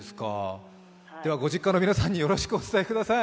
ご実家の皆さんによろしくお伝えください。